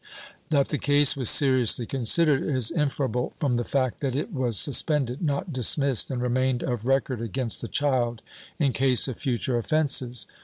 That the case was seriously considered is inferable from the fact that it was suspended, not dismissed, and remained of record against the child in case of future offences.